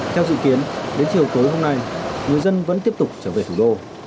theo dự kiến đến chiều tối hôm nay người dân vẫn tiếp tục trở về thủ đô